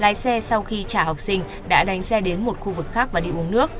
lái xe sau khi trả học sinh đã đánh xe đến một khu vực khác và đi uống nước